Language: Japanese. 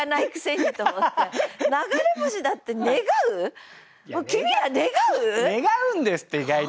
私もうね願うんですって意外と。